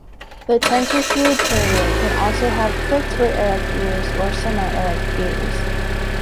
The Tenterfield Terrier can also have pricked or erect ears or semi-erect ears.